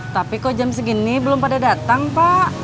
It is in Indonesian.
tapi kok jam segini belum pada datang pak